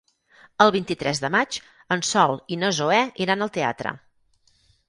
El vint-i-tres de maig en Sol i na Zoè iran al teatre.